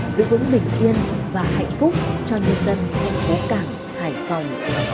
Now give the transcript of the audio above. giữ vững bình yên và hạnh phúc cho nhân dân thành phố cảng hải phòng